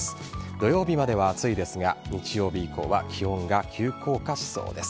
土曜日までは暑いですが日曜日以降は気温が急降下しそうです。